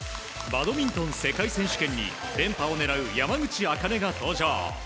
バドミントン世界選手権に連覇を狙う山口茜が登場。